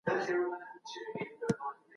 د لیکلو ازادي زیاته شوې وه.